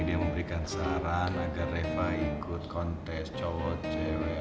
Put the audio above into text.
dia memberikan saran agar reva ikut kontes colo cewek